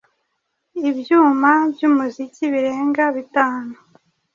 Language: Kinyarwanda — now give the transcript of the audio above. ibyuma by’umuziki birenga bitanu